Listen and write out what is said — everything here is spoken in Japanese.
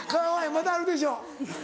まだあるでしょ？